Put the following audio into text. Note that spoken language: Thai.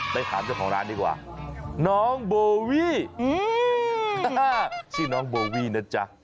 ไปถามเจ้าของร้านดีกว่าน้องโบวี่ชื่อน้องโบวี่นะจ๊ะ